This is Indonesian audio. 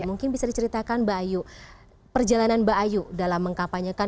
mungkin bisa diceritakan mbak ayu perjalanan mbak ayu dalam mengkapanyekan